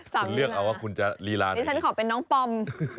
คุณเลือกเอาว่าคุณจะลีล่าหนึ่งได้นี่ฉันขอเป็นน้องปอม